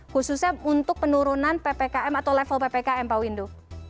khususnya untuk penurunan ppkm atau level ppkm pak windu